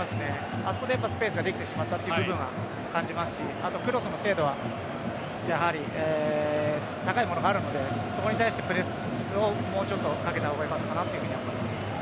あそこでスペースができてしまったという部分は感じますしクロスの精度はやはり高いものがあるのでそこに対してプレスをもうちょっとかけた方がよかったかなと思います。